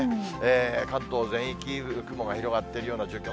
関東全域、雲が広がってるような状況。